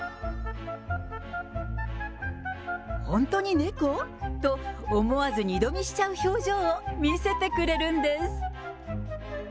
本当に猫？と、思わず二度見しちゃう表情を見せてくれるんです。